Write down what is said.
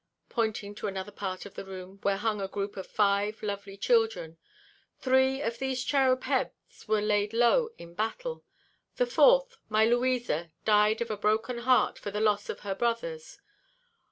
pointing to another part of the room, where hung a group of five lovely children, "three of these cherub heads were laid low in battle; the fourth, my Louisa, died of a broken heart for the loss of her brothers.